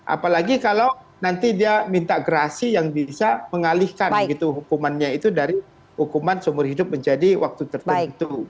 apalagi kalau nanti dia minta gerasi yang bisa mengalihkan hukumannya itu dari hukuman seumur hidup menjadi waktu tertentu